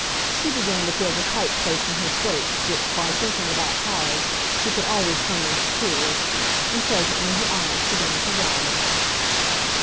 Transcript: She began to feel the tight place in her throat which, by thinking about hard, she could always turn into tears, and presently her eyes began to water.